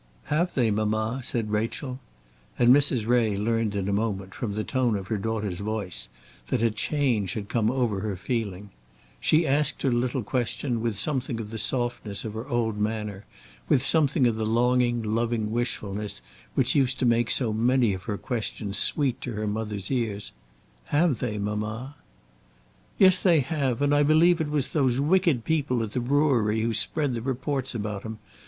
"Have they, mamma?" said Rachel. And Mrs. Ray learned in a moment, from the tone of her daughter's voice, that a change had come over her feeling. She asked her little question with something of the softness of her old manner, with something of the longing loving wishfulness which used to make so many of her questions sweet to her mother's ears. "Have they, mamma?" "Yes they have, and I believe it was those wicked people at the brewery who spread the reports about him.